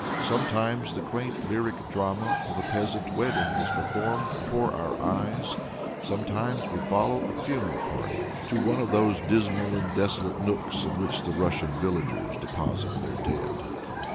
Sometimes the quaint lyric drama of a peasant wedding is performed before our eyes, sometimes we follow a funeral party to one of those dismal and desolate nooks in which the Russian villagers deposit their dead.